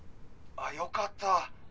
よかった。